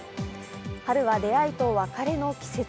春は出会いと別れの季節。